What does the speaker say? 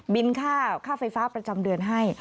บินค่าค่าไฟฟ้าประจำเดือนให้